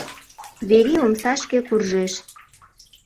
Верий омсашке куржеш.